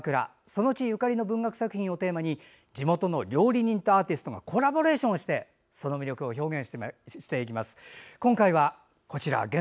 その地ゆかりの文学作品をテーマに地元の料理人とアーティストがコラボレーションしてその魅力を表現していきます。